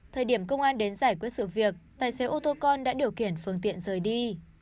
thời điểm công an đến giải quyết sự việc tài xế ô tô con đã điều khiển phương tiện rời đi